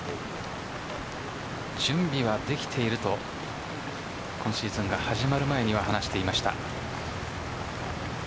準備はできていると今シーズンが始まる前には話していました。